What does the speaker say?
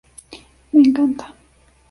Me encanta.